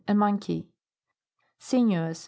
A Monkey. SINUOUS.